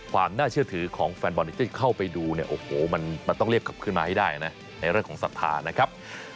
ความน่าเชื่อถือของแฟนบอลที่จะเข้าไปดูเนี่ยโอ้โหมันต้องรีบกลับขึ้นมาให้ได้นะในเรื่องของศรัทธานะครับ